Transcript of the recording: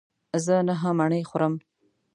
زه نهه مڼې خورم.